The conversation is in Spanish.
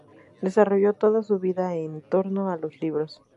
Desarrolló toda su vida en torno a los libros.